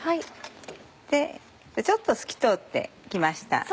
ちょっと透き通って来ました。